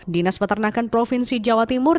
dinas peternakan provinsi jawa timur